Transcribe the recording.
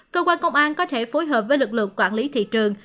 cơ quan công an có thể phối hợp với lực lượng quản lý thị trường